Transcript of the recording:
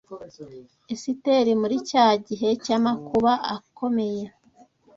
Esiteri muri cya gihe cy’amakuba akomeye